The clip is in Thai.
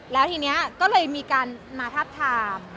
แล้วทีนี้ก็เลยมีการมาทับทาม